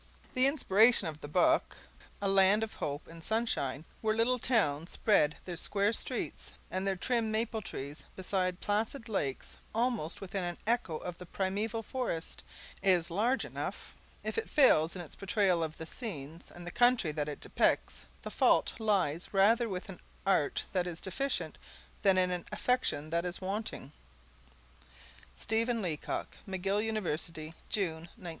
The inspiration of the book, a land of hope and sunshine where little towns spread their square streets and their trim maple trees beside placid lakes almost within echo of the primeval forest, is large enough. If it fails in its portrayal of the scenes and the country that it depicts the fault lies rather with an art that is deficient than in an affection that is wanting. Stephen Leacock. McGill University, June, 1912.